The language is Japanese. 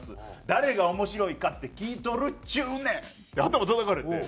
「誰が面白いか？って聞いとるっちゅうねん」って頭たたかれて。